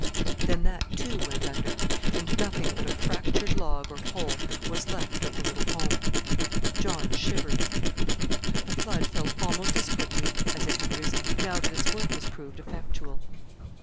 Then that, too, went under, and nothing but a fractured log or pole was left of the little home. John shivered. The flood fell almost as quickly as it had risen, now that its work was proved effectual.